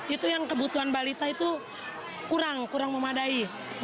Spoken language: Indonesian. itu yang kebutuhan balita itu kurang kurang memadai